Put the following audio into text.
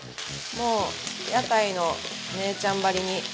もう、屋台の姉ちゃんばりに。